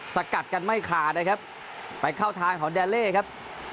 สกัดกันไม่ขาดนะครับไปเข้าทางของแดเล่ครับ